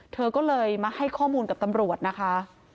เธอก็เลยมาให้ข้อมูลกับตำรวจนะคะ